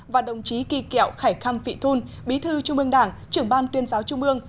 và đồng chí kỳ kẹo khải khăm vị thun bí thư trung ương đảng trưởng ban tuyên giáo trung ương